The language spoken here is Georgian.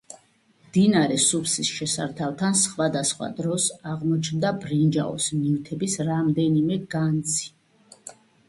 მდინარე სუფსის შესართავთან სხვადასხვა დროს აღმოჩნდა ბრინჯაოს ნივთების რამდენიმე განძი.